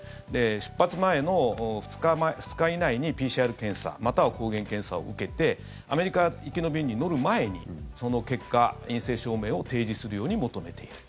出発前の２日以内にＰＣＲ検査または抗原検査を受けてアメリカ行きの便に乗る前にその結果、陰性証明を提示するように求めていると。